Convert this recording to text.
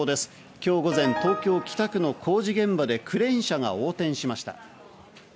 今日午前、東京・北区の工事現場でクレーン車が横転しました。